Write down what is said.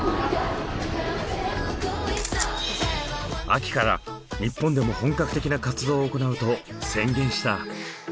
秋から日本でも本格的な活動を行うと宣言した。